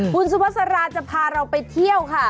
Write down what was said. คุณสุภาษาราจะพาเราไปเที่ยวค่ะ